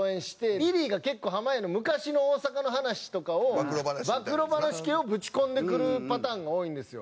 リリーが、結構濱家の昔の大阪の話とかを暴露話系をぶち込んでくるパターンが多いんですよ。